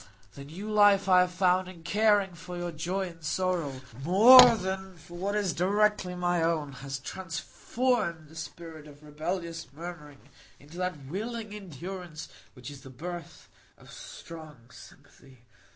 The new life I have found in caring for your joy and sorrow more than for what is directly my own, has transformed the spirit of rebellious murmuring into that willing endurance which is the birth of strong sympathy.